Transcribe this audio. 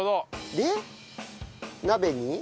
で鍋に。